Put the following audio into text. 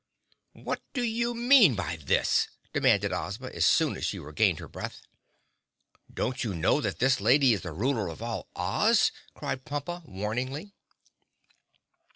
"What do you mean by this?" demanded Ozma, as soon as she regained her breath. "Don't you know this lady is the Ruler of all Oz?" cried Pompa warningly.